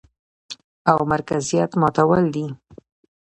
او مرکزيت ماتول دي،